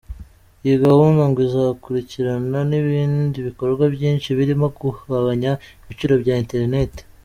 Iyi gahunda ngo izakurikirana n’ibindi bikorwa byinshi birimo kugabanya ibiciro bya internet.